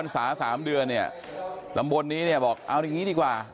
ศา๓เดือนเนี่ยตำบลนี้เนี่ยบอกเอาอย่างนี้ดีกว่า